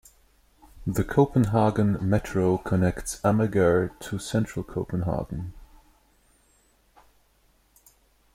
The Copenhagen Metro connects Amager to central Copenhagen.